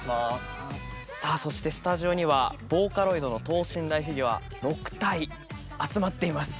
さあそしてスタジオにはボーカロイドの等身大フィギュア６体集まっています。